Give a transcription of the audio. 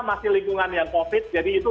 masih lingkungan yang covid jadi itu